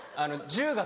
１０月。